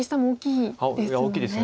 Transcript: いや大きいです。